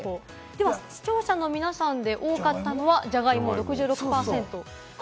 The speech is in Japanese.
では視聴者の皆さんで多かったのはジャガイモ６６％です。